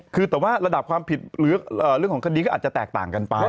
คือแต่ว่าระดับความผิดหรือเรื่องของคดีก็อาจจะแตกต่างกันไป